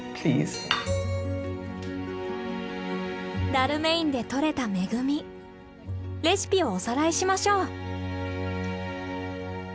ダルメインでとれた恵みレシピをおさらいしましょう。